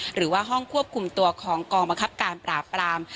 หรือว่าห้องควบคุมตัวของกองบังคับการปราบปราม